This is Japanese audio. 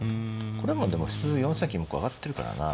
これもでも普通４三金向こう上がってるからなあ。